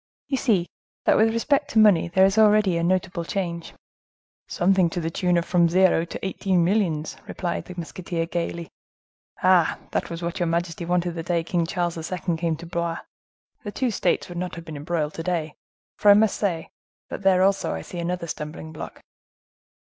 "You see that, with respect to money, there is already a notable change." "Something to the tune of from zero to eighteen millions," replied the musketeer gayly. "Ah! that was what your majesty wanted the day King Charles II. came to Blois. The two states would not have been embroiled to day; for I must say, that there also I see another stumbling block."